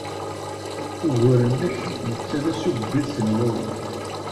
Ugur-nnek netta d assugget n wawal.